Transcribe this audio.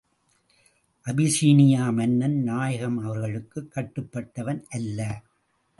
Abyssinia மன்னன் நாயகம் அவர்களுக்குக் கட்டுப்பட்டவன் அல்ல.